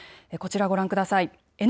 こちら、ご覧ください。